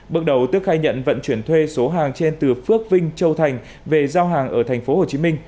bước đầu tước khai nhận vận chuyển thuê số hàng trên từ phước vinh châu thành về giao hàng ở tp hcm